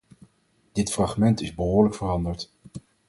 Dit fragment is behoorlijk veranderd.